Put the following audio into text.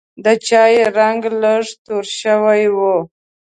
د چای رنګ لږ توره شوی و.